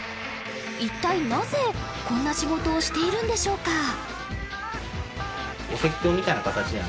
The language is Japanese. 一体なぜこんな仕事をしているんでしょうか？